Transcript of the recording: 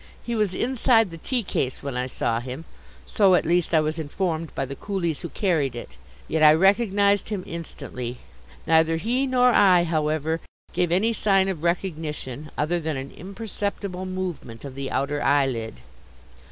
He was inside the tea case when I saw him; so at least I was informed by the coolies who carried it. Yet I recognized him instantly. Neither he nor I, however, gave any sign of recognition other than an imperceptible movement of the outer eyelid.